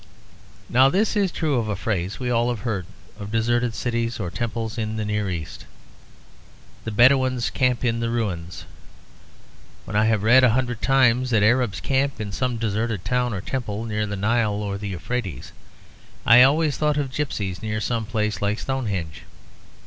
Now this is true of a phrase we have all heard of deserted cities or temples in the Near East: "The Bedouins camp in the ruins." When I have read a hundred times that Arabs camp in some deserted town or temple near the Nile or the Euphrates, I always thought of gipsies near some place like Stonehenge.